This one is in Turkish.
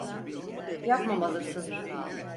Yapmamalısın.